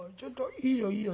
いいよいいよ。